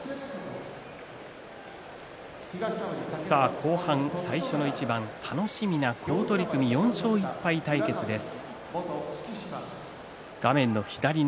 後半、最初の一番楽しみな好取組４勝１敗対決です。